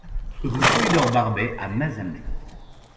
Rue Polydore Barbey à Mazamet